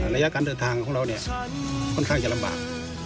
ระยะการเดินทางของเราเนี่ยค่อนข้างจะลำบาก